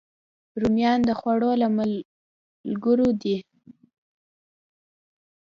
رومیان د خوړو له ملګرو دي